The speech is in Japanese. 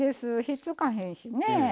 ひっつかへんしね。